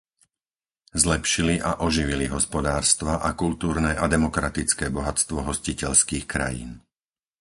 Zlepšili a oživili hospodárstva a kultúrne a demokratické bohatstvo hostiteľských krajín.